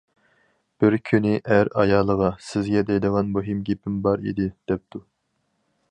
بىر كۈنى ئەر ئايالىغا:‹‹ سىزگە دەيدىغان مۇھىم گېپىم بار ئىدى›› دەپتۇ.